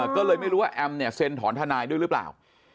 ก็เลยไม่รู้ว่าแอมเนี่ยเซ็นถอนทนายด้วยหรือเปล่า